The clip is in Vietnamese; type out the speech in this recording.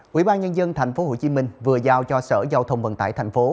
quỹ ban nhân dân tp hcm vừa giao cho sở giao thông vận tải tp